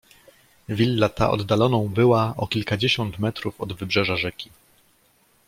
"Willa ta oddaloną była o kilkadziesiąt metrów od wybrzeża rzeki."